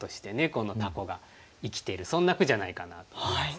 この「凧」が生きてるそんな句じゃないかなと思います。